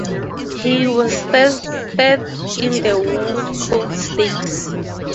He was third in the Woodcote Stakes.